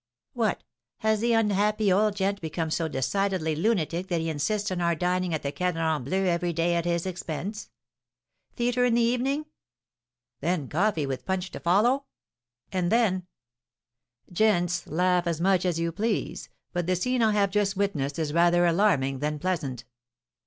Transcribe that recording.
"What! has the unhappy old gent become so decidedly lunatic that he insists on our dining at the Cadran Bleu every day at his expense?" "Theatre in the evening?" "Then coffee, with punch to follow?" "And then " "Gents, laugh as much as you please; but the scene I have just witnessed is rather alarming than pleasant."